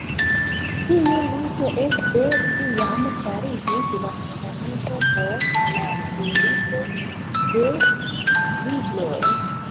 Tiu listo ekde tiam fariĝis la fundamento por la bruligo de libroj.